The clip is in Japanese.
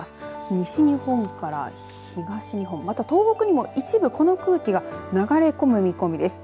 西日本から東日本また東北にも一部この空気が流れ込む見込みです。